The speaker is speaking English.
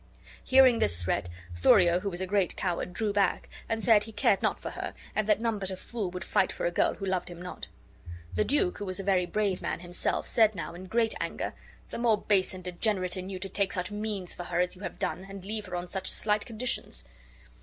Hearing this threat, Thurio, who was a great coward, drew back, and said he cared not for her and that none but a fool would fight for a girl who loved him not. The duke, who was a very brave man himself, said now, in great anger, "The more base and degenerate in you to take such means for her as you have done and leave her on such slight conditions."